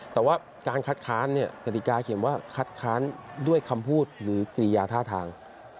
แต่ว่าการคัดค้านเนี่ยกติกาเขียนว่าคัดค้านด้วยคำพูดหรือกิริยาท่าทาง